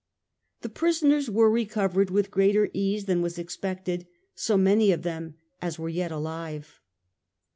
The prisoners were recovered with greater ease than was expected — so many of them as were yet alive.